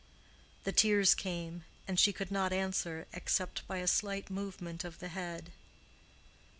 The tears came, and she could not answer except by a slight movement of the head.